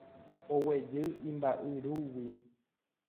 Oguejy imba'yrúgui